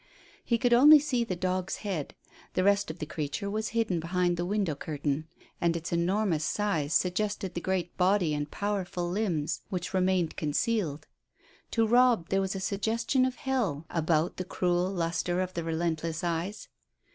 He could only see the dog's head the rest of the creature was hidden behind the window curtain and its enormous size suggested the great body and powerful limbs which remained concealed. To Robb there was a suggestion of hell about the cruel lustre of the relentless eyes.